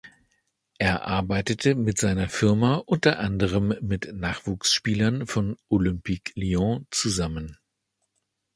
Er arbeitete mit seiner Firma unter anderem mit Nachwuchsspielern von Olympique Lyon zusammen.